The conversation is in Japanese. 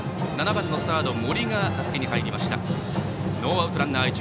７番のサード、森が打席に入りました。